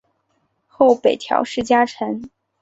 后北条氏家臣。